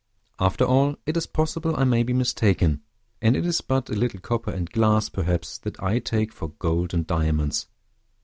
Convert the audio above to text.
After all, it is possible I may be mistaken; and it is but a little copper and glass, perhaps, that I take for gold and diamonds.